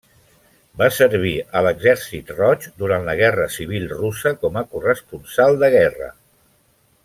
Va servir a l'Exèrcit Roig durant la Guerra Civil Russa com a corresponsal de guerra.